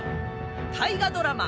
大河ドラマ